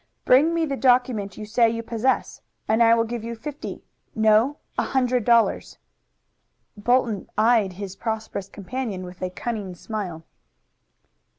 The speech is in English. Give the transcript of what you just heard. Bring me the document you say you possess, and I will give you fifty no, a hundred dollars." Bolton eyed his prosperous companion with a cunning smile.